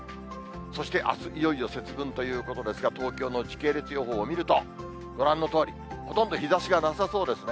そしてあす、いよいよ節分ということですが、東京の時系列予報を見ると、ご覧のとおり、ほとんど日ざしがなさそうですね。